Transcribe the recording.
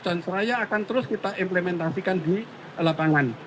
dan seraya akan terus kita implementasikan di lapangan